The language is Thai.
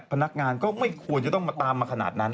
พนักงานก็ไม่ควรจะต้องมาตามมาขนาดนั้น